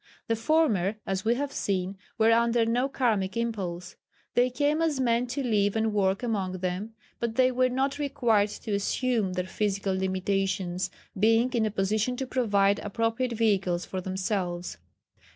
The former, as we have seen, were under no karmic impulse. They came as men to live and work among them, but they were not required to assume their physical limitations, being in a position to provide appropriate vehicles for themselves.